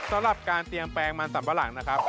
สำหรับการเตรียมแปลงมันสัมปะหลังนะครับ